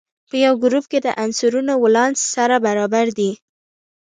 په یوه ګروپ کې د عنصرونو ولانس سره برابر دی.